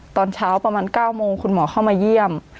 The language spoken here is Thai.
ตอนเช้าประมาณ๙โมงคุณหมอเข้ามาเยี่ยม